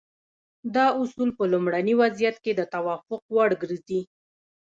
دا اصول په لومړني وضعیت کې د توافق وړ ګرځي.